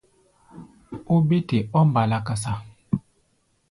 Ó bé te ɔ́ mbala-kasa.